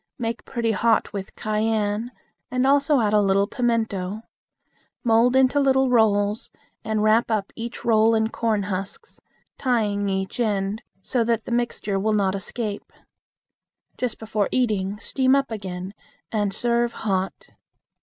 Make pretty hot with cayenne, and also add a little pimento. Mold into little rolls, and wrap each roll up in corn husks, tying each end, so that the mixture will not escape. Just before eating, steam up again, and serve hot.